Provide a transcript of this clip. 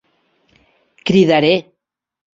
Cridaré!